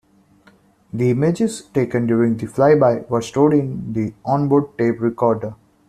The images taken during the flyby were stored in the on-board tape recorder.